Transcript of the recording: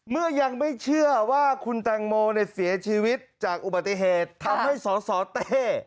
เมื่อยังไม่เชื่อว่าคุณแตงโมเสียชีวิตจากอุบัติเหตุทำให้สสเต้